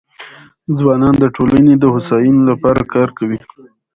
ځوانان د ټولنې د هوساینې لپاره کار کوي.